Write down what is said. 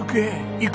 行く！